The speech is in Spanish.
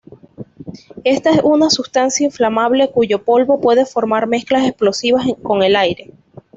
Esta es una sustancia inflamable cuyo polvo puede formar mezclas explosivas con el aire.